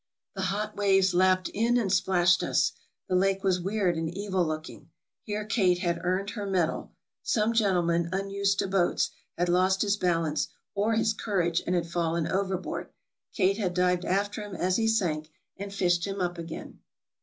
The hot waves lapped in and splashed us. The lake was weird and evil looking. Here Kate had earned her medal. Some gentleman, unused to boats, had lost his balance, or his courage, and had fallen overboard. Kate had dived after him as he sank, and fished him up again.